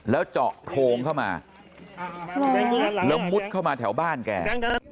แล้วเจาะโพรงเข้ามาแล้วมุดเข้ามาแถวบ้านแก